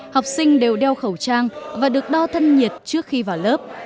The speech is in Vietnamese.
học sinh đều đeo khẩu trang và được đo thân nhiệt trước khi vào lớp